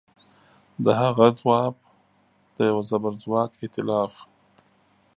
د هغه ځواب د یوه زبرځواک ایتلاف